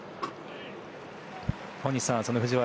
大西さん、その藤原